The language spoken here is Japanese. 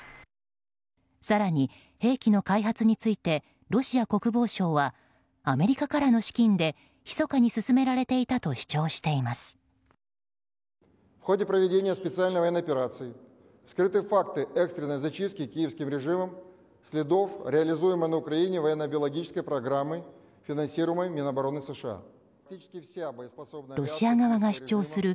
更に兵器の開発についてロシア国防省はアメリカからの資金で密かに進められていたと主張しています。